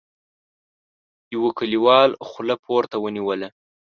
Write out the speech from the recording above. يوه کليوال خوله پورته ونيوله: